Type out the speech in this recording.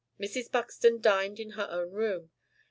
Mrs. Buxton dined in her own room.